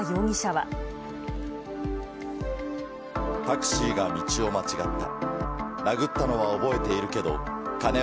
タクシーが道を間違った。